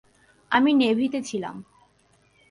আমি নেভিতে ছিলাম।